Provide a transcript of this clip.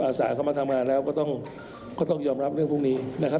สารเข้ามาทำงานแล้วก็ต้องยอมรับเรื่องพวกนี้นะครับ